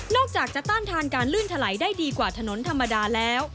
อกจากจะต้านทานการลื่นถลายได้ดีกว่าถนนธรรมดาแล้ว